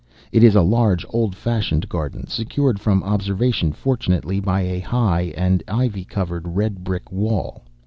It is a large old fashioned garden, secured from observation, fortunately, by a high and ivy covered red brick wall.